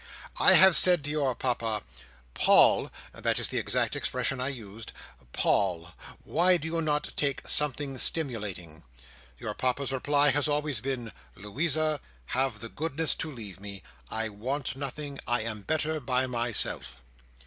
I have said to your Papa, 'Paul!'—that is the exact expression I used—'Paul! why do you not take something stimulating?' Your Papa's reply has always been, 'Louisa, have the goodness to leave me. I want nothing. I am better by myself.